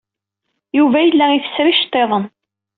Yuba yella ifesser iceḍḍiḍen.